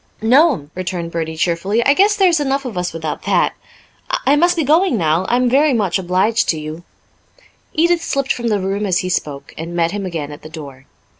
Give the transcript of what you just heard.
"No'm," returned Bertie cheerfully. "I guess there's enough of us without that. I must be going now. I'm very much obliged to you." Edith slipped from the room as he spoke, and met him again at the door.